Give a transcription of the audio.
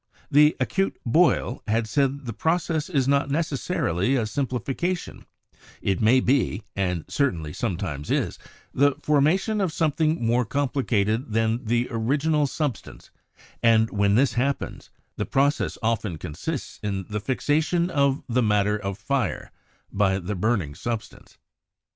The acute Boyle had said the process is not necessarily a simplifica 128 CHEMISTRY tion; it may be, and certainly sometimes is, the formation of something more complicated than the original sub stance, and when this happens, the process often consists in the fixation of 'the matter of fire' by the burning sub stance.